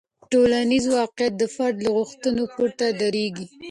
ټولنیز واقیعت د فرد له غوښتنو پورته دریږي.